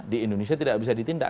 di indonesia tidak bisa ditindak